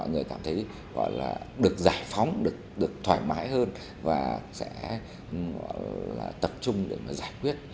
gọi là được giải phóng được thoải mái hơn và sẽ tập trung để giải quyết